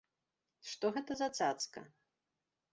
Што гэта за цацка?